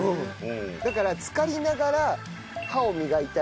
だから浸かりながら歯を磨いたり。